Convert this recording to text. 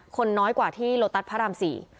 น้อยกว่าที่โลตัสพระราม๔